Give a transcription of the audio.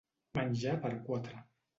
Menjar per quatre.